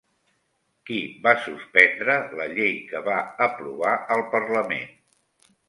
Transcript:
Qui va suspendre la llei que va aprovar el parlament?